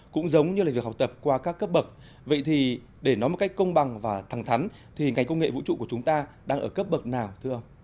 cũng giống như là việc học tập qua các cấp bậc vậy thì để nói một cách công bằng và thẳng thắn thì ngành công nghệ vũ trụ của chúng ta đang ở cấp bậc nào thưa ông